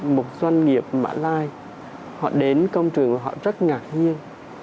một doanh nghiệp mã lai họ đến công trường của họ rất ngạc nhiên